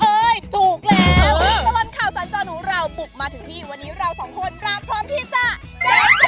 เฮ้ยถูกแล้วและสลัดข่าวสามารถหนูเราปุกมาถึงที่วันนี้เราสองคนรักพร้อมที่จ้ะ